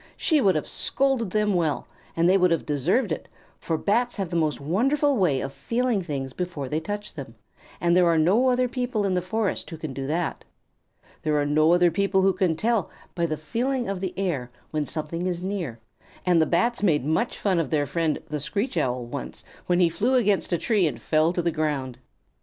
She would have scolded them well, and they would have deserved it, for Bats have the most wonderful way of feeling things before they touch them, and there are no other people in the forest who can do that. There are no other people who can tell by the feeling of the air when something is near, and the Bats made much fun of their friend, the Screech Owl, once, when he flew against a tree and fell to the ground.